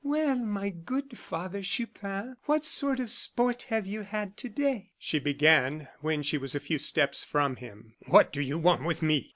"Well, my good Father Chupin, what sort of sport have you had to day?" she began, when she was a few steps from him. "What do you want with me?"